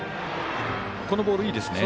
このボールいいですね。